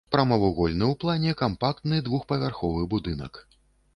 Прамавугольны ў плане кампактны двухпавярховы будынак.